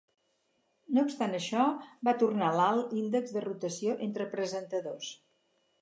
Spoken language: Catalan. No obstant això, va tornar l'alt índex de rotació entre presentadors.